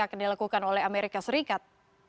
akan dilakukan oleh amerika serikat